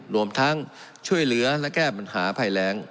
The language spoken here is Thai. รวมทั้งช่วยเหลือและแก้ปัญหาภัยแรง